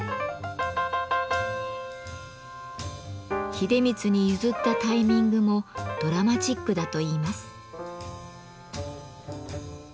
秀満に譲ったタイミングもドラマチックだといいます。